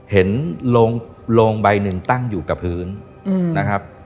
เห็นโรงใบหนึ่งตั้งอยู่กับพื้นนะครับ